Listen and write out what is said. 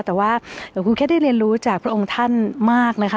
แต่ว่าหลวงครูแค่ได้เรียนรู้จากพระองค์ท่านมากนะคะ